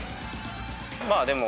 まあでも。